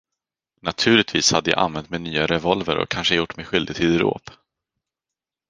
Naturligtvis hade jag använt min nya revolver och kanske gjort mig skyldig till dråp.